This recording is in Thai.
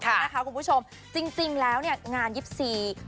นะคะคุณผู้ชมจริงจริงแล้วเนี่ยงานยิบซี